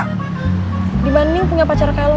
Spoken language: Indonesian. kak dibanding punya pacar kayak lo